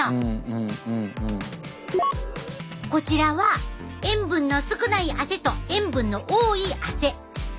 こちらは塩分の少ない汗と塩分の多い汗。